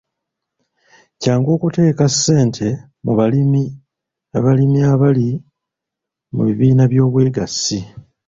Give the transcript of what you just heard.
Kyangu okuteeka ssente mu balimi balimi abali mu bibiina by'obwegassi.